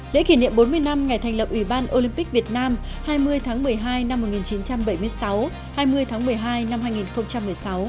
lễ kỷ niệm bốn mươi năm ngày thành lập ủy ban olympic việt nam hai mươi tháng một mươi hai năm một nghìn chín trăm bảy mươi sáu hai mươi tháng một mươi hai năm hai nghìn một mươi sáu